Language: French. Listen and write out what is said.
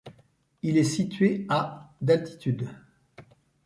Il est situé à d’altitude.